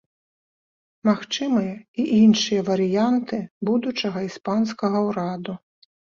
Магчымыя і іншыя варыянты будучага іспанскага ўраду.